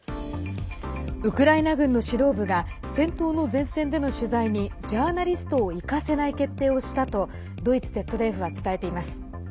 ウクライナ軍の指導部が戦闘の前線での取材にジャーナリストを行かせない決定をしたとドイツＺＤＦは伝えています。